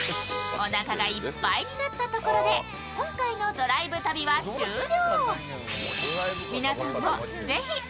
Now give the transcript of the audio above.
おながいっぱいになったところで、今回のドライブ旅は終了。